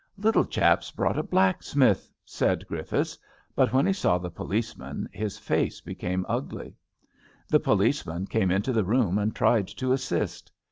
Little chap's brought a blacksmith," said Griffiths, but when he saw the policeman his face became ugly. The policeman came into the room and tried to assist.